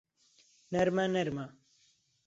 نەرمە نەرمە